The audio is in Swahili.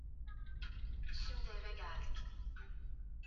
wa hewa Wengi wao huripoti kwa ukawaida Kiashiria cha Ubora wa